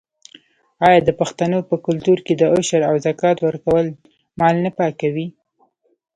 آیا د پښتنو په کلتور کې د عشر او زکات ورکول مال نه پاکوي؟